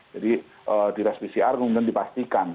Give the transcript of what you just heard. jadi di tes pcr kemudian dipastikan